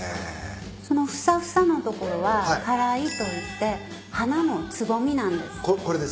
そのふさふさの所は花蕾といって花のつぼみなんです。